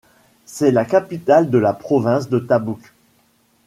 C'est la capitale de la province de Tabuk.